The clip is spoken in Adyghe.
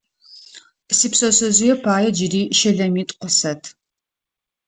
Сипшъэшъэжъые пае джыри щэлэмитӏу къысэт.